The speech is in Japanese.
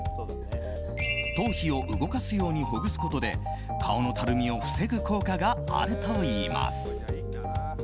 頭皮を動かすようにほぐすことで顔のたるみを防ぐ効果があるといいます。